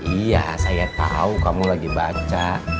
iya saya tahu kamu lagi baca